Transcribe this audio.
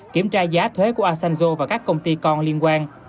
kiểm tra giá thuế của asanjo và các công ty còn liên quan